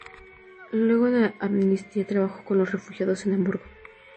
Luego de amnistía trabajo con los refugiados en Hamburgo.